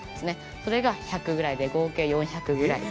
それが１００ぐらいで合計で４００ぐらい。